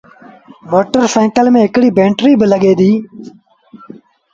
موٽر سآئيٚڪل ميݩ هڪڙيٚ بئيٽريٚ با لڳي ديٚ۔